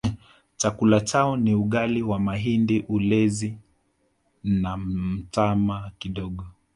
Chakula chao ni ugali wa mahindi ulezi na mtama kidogo